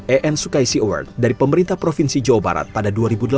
en sukaisi award dari pemerintah provinsi jawa barat pada dua ribu delapan belas